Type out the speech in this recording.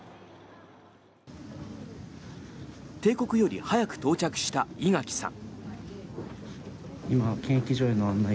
定刻より早く到着した井垣さん。